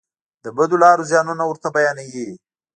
د بدو لارو زیانونه ورته بیانوي.